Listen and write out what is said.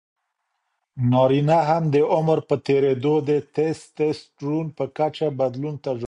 نارینه هم د عمر په تېریدو د ټیسټسټرون په کچه بدلون تجربه کوي.